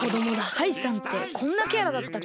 カイさんってこんなキャラだったっけ？